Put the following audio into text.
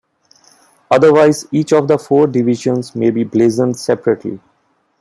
Otherwise, each of the four divisions may be blazoned separately.